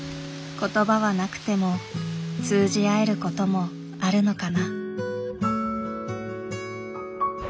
言葉はなくても通じ合えることもあるのかな。